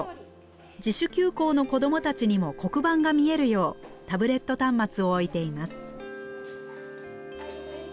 自主休校の子どもたちにも黒板が見えるようタブレット端末を置いています。